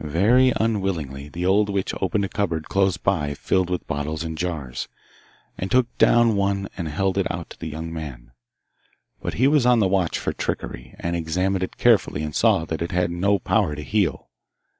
Very unwillingly the old witch opened a cupboard close by filled with bottles and jars, and took down one and held it out to the young man. But he was on the watch for trickery, and examined it carefully, and saw that it had no power to heal.